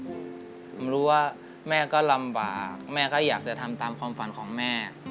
ผมรู้ว่าแม่ก็ลำบากแม่ก็อยากจะทำตามความฝันของแม่